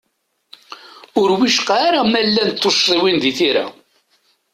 Ur wicqa ara ma llant tuccḍiwin di tira.